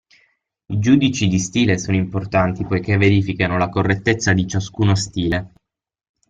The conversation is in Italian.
I giudici di stile sono importanti poiché verificano la correttezza di ciascuno stile.